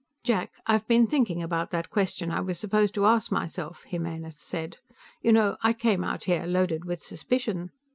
"Jack, I've been thinking about that question I was supposed to ask myself," Jimenez said. "You know, I came out here loaded with suspicion.